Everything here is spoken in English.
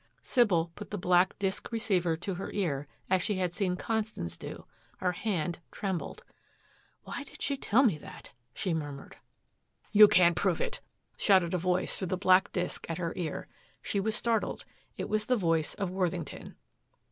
Sybil put the black disc receiver to her ear as she had seen Constance do. Her hand trembled. "Why did she tell me that?" she murmured. "You can't prove it," shouted a voice through the black disc at her ear. She was startled. It was the voice of Worthington.